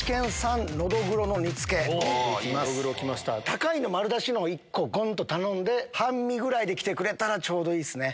高いの丸出しのを１個ゴンと頼んで半身ぐらいで来てくれたらちょうどいいっすね。